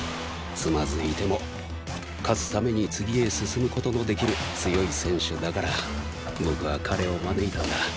つまずいても勝つために次へ進む事のできる強い選手だから僕は彼を招いたんだ。